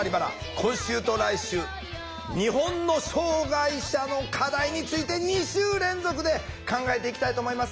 今週と来週日本の障害者の課題について２週連続で考えていきたいと思います。